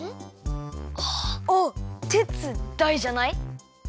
「お」「てつ」「だい」じゃない？